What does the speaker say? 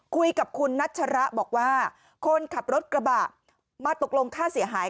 คุยกับคุณนัชระบอกว่าคนขับรถกระบะมาตกลงค่าเสียหาย